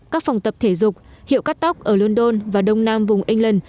các phòng tập thể dục hiệu cắt tóc ở london và đông nam vùng england